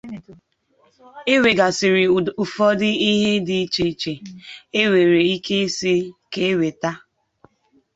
e nwègàsịrị ụfọdụ ihe dị iche iche e nwere ike ịsị ka e wèta